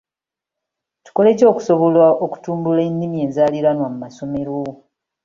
Tukole ki okusobola okutumbula ennimi enzaaliranwa mu masomero?